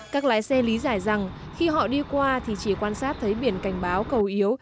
các lái xe lý giải rằng khi họ đi qua thì chỉ quan sát thấy biển cảnh báo cầu yếu